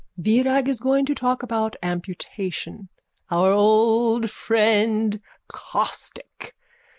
Virag is going to talk about amputation. Our old friend caustic.